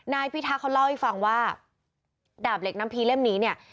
นายพิทักษ์เขาเล่าให้ฟังว่าดาบเหล็กน้ำพีเล่มนี้เนี่ย